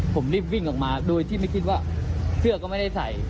ผมรีบวิ่งออกมาโดยที่ไม่คิดว่าเสื้อก็ไม่ได้ใส่